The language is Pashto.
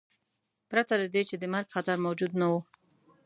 پرته له دې چې د مرګ خطر موجود نه و.